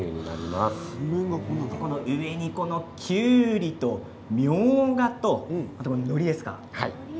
上にきゅうりと、みょうがとのりですか？